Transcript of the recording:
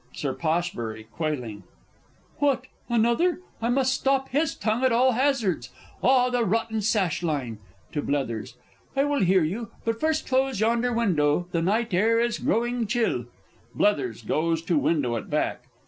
Sir P. (quailing). What, another! I must stop his tongue at all hazards. Ah, the rotten sash line! (To BLETHERS.) I will hear you, but first close yonder window, the night air is growing chill. [BLETHERS _goes to window at back.